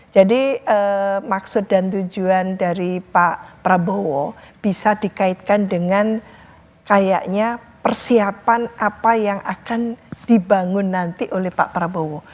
jadi maksud dan tujuan dari pak prabowo bisa dikaitkan dengan kayaknya persiapan apa yang akan dibangun nanti oleh pak prabowo